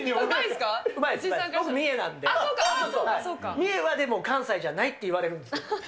三重はでも、関西じゃないっていわれるんですよ。